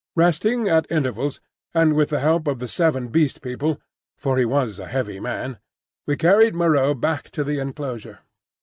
Resting at intervals, and with the help of the seven Beast People (for he was a heavy man), we carried Moreau back to the enclosure.